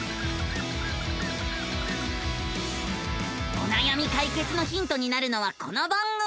おなやみ解決のヒントになるのはこの番組。